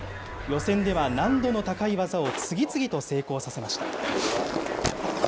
予選では難度の高い技を次々と成功させました。